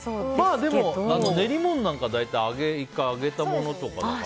でも練り物なんか大体、１回揚げたものだから。